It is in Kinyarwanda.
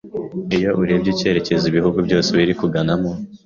iyo urebye icyerekezo ibihugu byose birimo kuganamo